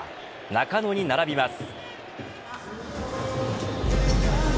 中野に並びます。